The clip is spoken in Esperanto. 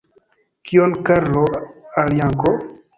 Kion Karlo al Janko?